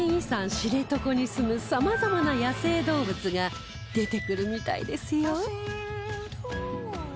知床にすむ様々な野生動物が出てくるみたいですよ